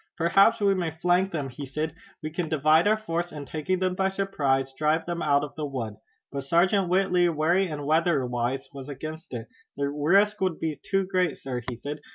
"Perhaps we may flank them," he said. "We can divide our force, and taking them by surprise drive them out of the wood." But Sergeant Whitley, wary and weatherwise, was against it. "The risk would be too great, sir," he said.